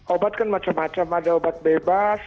obat kan macam macam ada obat bebas